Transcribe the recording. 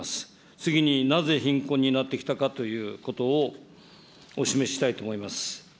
次になぜ貧困になってきたかということをお示ししたいと思います。